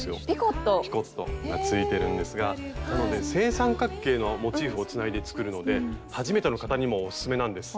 ピコットがついてるんですがなので正三角形のモチーフをつないで作るので初めての方にもおすすめなんです。